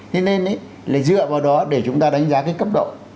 thế nên là dựa vào đó để chúng ta đánh giá cái cấp độ